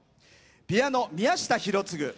ピアノ宮下博次。